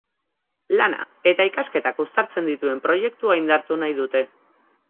Lana eta ikasketak uztartzen dituen proiektua indartu nahi dute.